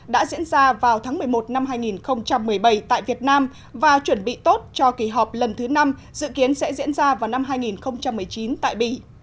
đã diễn ra vào tháng một mươi một năm hai nghìn một mươi bảy tại việt nam và chuẩn bị tốt cho kỳ họp lần thứ năm dự kiến sẽ diễn ra vào năm hai nghìn một mươi chín tại bỉ